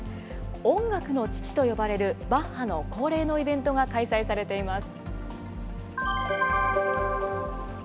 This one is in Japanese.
音楽の父と呼ばれるバッハの恒例のイベントが開催されています。